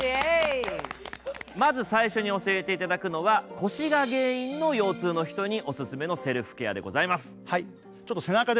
まず最初に教えていただくのは腰が原因の腰痛の人にオススメのセルフケアでございます。